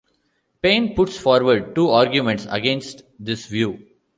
Paine puts forward two arguments against this view.